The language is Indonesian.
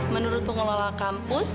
menurut pengelola kampus